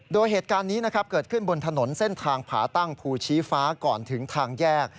โดยเหตุการณ์นี้นะครับเกิดขึ้นบนถนนเส้นทางผาตั้งภูชีฟ้าก่อนถึงทางแยก